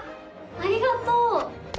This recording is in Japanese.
ありがとう！